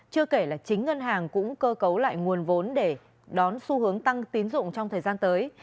chưa kể là chính ngân hàng cũng cơ cấu lại nguồn vốn để đón xu hướng tăng tín dụng trong thời gian tới